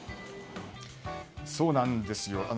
そうなんですよ。